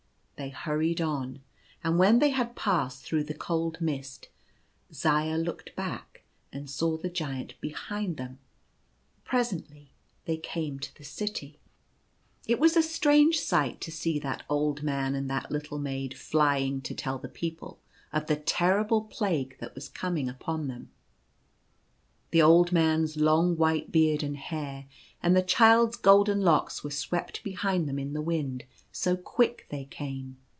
They hurried on ; and when they had passed through the cold mist, Zaya looked back, and saw the Giant behind them. Presently they came to the city. 56 Knoal speaks. It was a strange sight to see that old man and that little maid flying to tell the people of the terrible Plague that was coming upon them. The old man's long white beard and hair and the child's golden locks were swept behind them in the wind, so quick they came.